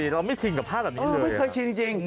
เราไม่ชินกับภาพแบบนี้เลยไม่เคยชินจริง